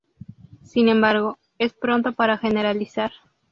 Sin embargo, es pronto para generalizar.